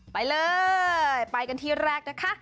ไปเลยไปกันที่แรกนะคะ